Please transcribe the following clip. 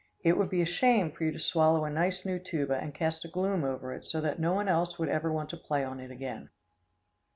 It would be a shame for you to swallow a nice new tuba and cast a gloom over it so that no one else would ever want to play on it again.